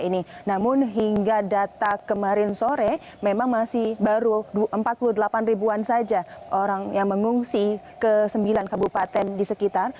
namun hingga data kemarin sore memang masih baru empat puluh delapan ribuan saja orang yang mengungsi ke sembilan kabupaten di sekitar